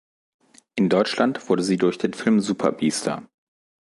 In Deutschland wurde sie durch den Film "Super-Biester!